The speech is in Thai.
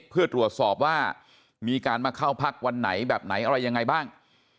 เพื่อตรวจสอบว่ามีการมาเข้าพักวันไหนแบบไหนอะไรยังไงบ้าง